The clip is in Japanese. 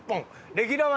「レギュラーは」。